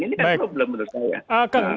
ini kan problem menurut saya